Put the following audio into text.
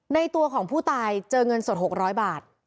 ตัวของผู้ตายเจอเงินสด๖๐๐บาท